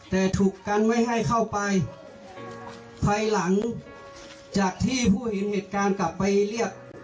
แต่ถูกกันไว้ให้เข้าไปภายหลังจากที่ผู้เห็นเหตุการณ์กลับไปเรียก